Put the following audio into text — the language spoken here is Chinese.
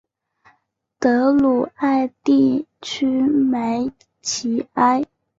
德鲁艾地区梅齐埃。